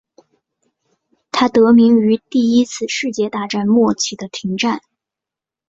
它得名于第一次世界大战末期的停战。